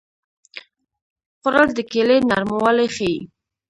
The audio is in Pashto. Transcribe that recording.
خوړل د کیلې نرموالی ښيي